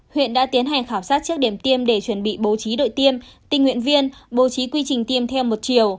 huyện đã tiến hành khảo sát trước điểm tiêm để chuẩn bị bố trí đội tiêm tình nguyện viên bố trí quy trình tiêm theo một chiều